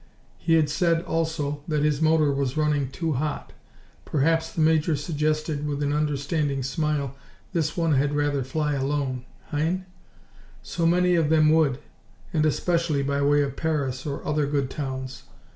He had said, also, that his motor was running too hot. Perhaps, the major suggested, with an understanding smile, this one had rather fly alone, hein? So many of them would and especially by way of Paris, or other good towns.